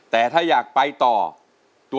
แต่ถ้าอยากไปต่อ